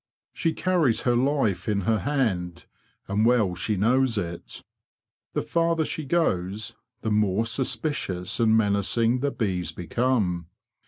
She carries her life in her hand, and well she knows it. The farther she goes, the more suspicious and menacing the bees become.